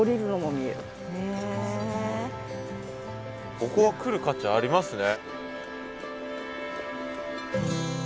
ここは来る価値ありますね。